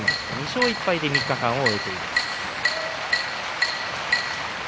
２勝１敗で３日間を終えました。